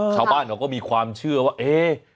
ชาวบ้านเขาก็มีความเชื่อว่าเอ๊ะ